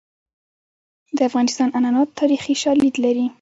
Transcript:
د افغانستان عنعنات تاریخي شالید لري.